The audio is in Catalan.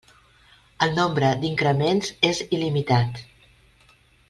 El nombre d'increments és il·limitat.